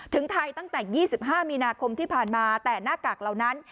ถึงไทยตั้งแต่๒๕มีนาคมที่ผ่านมาแต่หน้ากากเหล่านั้น